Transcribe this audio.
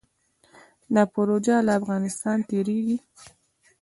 دا پروژه له افغانستان تیریږي